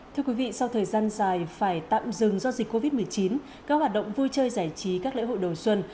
thưa quý vị sau thời gian dài phải tạm dừng do dịch covid một mươi chín các hoạt động vui chơi giải trí các lễ hội đầu xuân